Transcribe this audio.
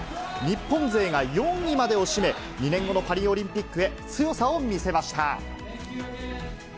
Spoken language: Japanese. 日本勢が４位までを占め、２年後のパリオリンピックへ強さを見せました。